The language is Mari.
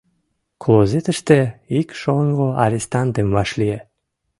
Клозетыште ик шоҥго арестантым вашлие.